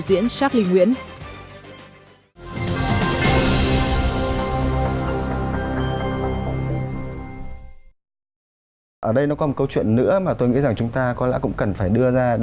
xin chào và hẹn gặp lại